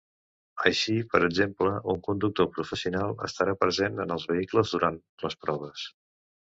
Així, per exemple, un conductor professional estarà present en els vehicles durant les proves.